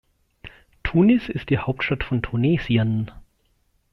Tunis ist die Hauptstadt von Tunesien.